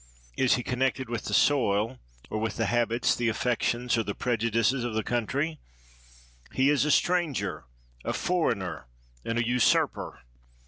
Is he connected with the soil, or with the habits, the affections, or the prejudices of the country ? He is a stranger, a foreigner, and a usurper.